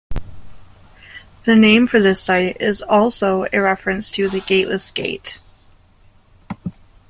The name for this site is also a reference to "The Gateless Gate".